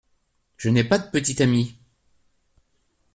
Je n’ai pas de petit ami.